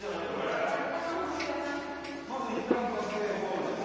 まずいったんバス停ゴールです。